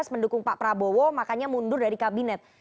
mendukung pak prabowo makanya mundur dari kabinet